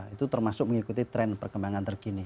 itu termasuk mengikuti tren perkembangan terkini